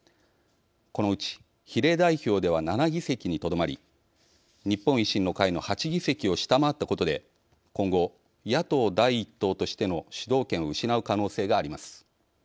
このうち比例代表では７議席にとどまり日本維新の会の８議席を下回ったことで今後、野党第１党としての主導権を失う可能性があります。